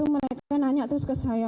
mereka nanya terus ke saya